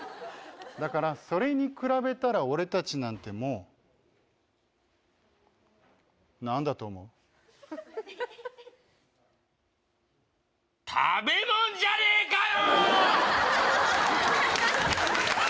だから、それに比べたら俺たちなんてもう、なんだと思う？食べもんじゃねえかよ！